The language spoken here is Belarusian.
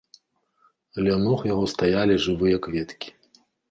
Ля ног яго стаялі жывыя кветкі.